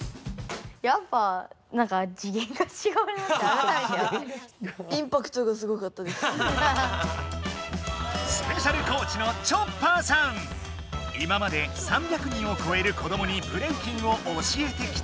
やっぱなんか今まで３００人をこえる子どもにブレイキンを教えてきた。